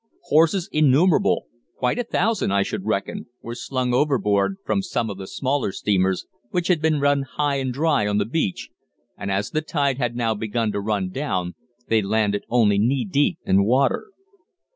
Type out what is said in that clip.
Horses innumerable quite a thousand, I should reckon were slung overboard from some of the smaller steamers which had been run high and dry on the beach, and as the tide had now begun to run down, they landed only knee deep in water.